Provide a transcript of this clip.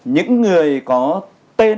những người có tên